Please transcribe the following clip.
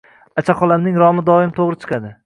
Acha xolamning romi doim to‘g‘ri chiqadi.